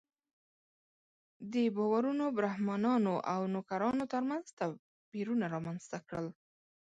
دې باورونو برهمنانو او نوکرانو تر منځ توپیرونه رامنځته کړل.